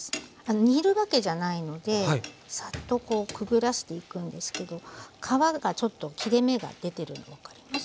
煮るわけじゃないのでサッとこうくぐらせていくんですけど皮がちょっと切れ目が出てるの分かりますかね。